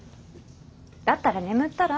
だったら眠ったら？